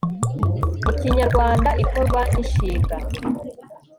mu kinyarwanda ikorwa n'inshinga